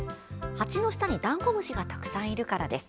鉢の下にダンゴムシがたくさんいるからです。